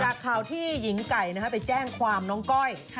จากค่าที่หญิงไก่เจ้งความน้องก้อย